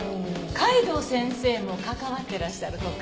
海堂先生も関わってらっしゃるとか。